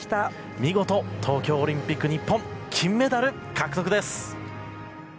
見事東京オリンピック、日本金メダル、獲得です！